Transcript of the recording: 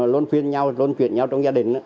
luôn chuyển nhau luôn chuyển nhau trong gia đình